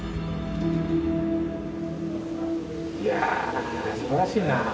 いやあすばらしいなあ。